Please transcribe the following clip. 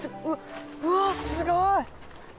うわすごい。